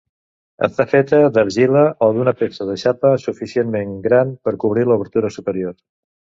Està feta d'argila o d'una peça de xapa suficientment gran per cobrir l'obertura superior.